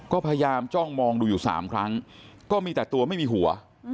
ก็พยายามจ้องมองดูอยู่๓ครั้งก็มีแต่ตัวไม่มีหัว